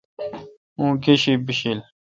او°گیش بِشیل۔